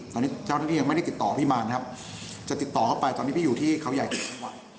ตอนนี้เจ้าหน้าที่ยังไม่ได้ติดต่อพี่มารนะครับจะติดต่อเข้าไปตอนนี้พี่อยู่ที่เขาใหญ่ถึงจังหวัด